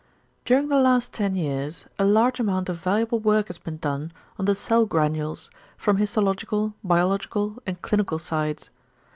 During the last ten years a large amount of valuable work has been done on the cell granules from histological, biological and clinical sides.